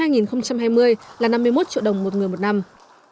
năm hai nghìn hai mươi là năm mươi một triệu đồng một người một năm